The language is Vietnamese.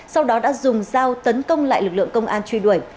sau đó đã dùng dao tấn công lại lực lượng công an truy đuổi